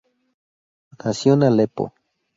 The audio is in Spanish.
Nació en Alepo.